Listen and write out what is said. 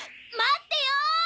待ってよー！